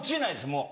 もう。